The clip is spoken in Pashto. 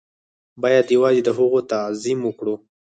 بايد يوازې د هغو تعظيم وکړو.